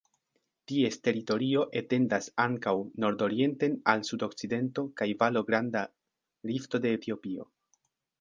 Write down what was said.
Ties teritorio etendas ankaŭ nordorienten al sudokcidento kaj valo Granda Rifto de Etiopio.